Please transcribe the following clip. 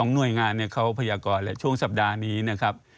หน่วยงานเขาพยากรแล้วช่วงสัปดาห์นี้นะครับ